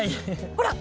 ほら！